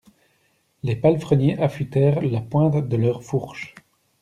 Les palefreniers affûtaient la pointe de leurs fourches.